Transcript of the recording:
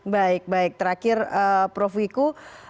baik baik terakhir prof wiku